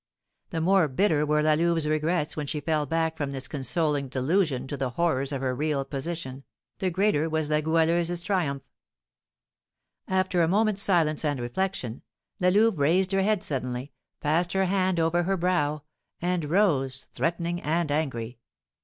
The more bitter were La Louve's regrets when she fell back from this consoling delusion to the horrors of her real position, the greater was La Goualeuse's triumph. After a moment's silence and reflection, La Louve raised her head suddenly, passed her hand over her brow, and rose threatening and angry.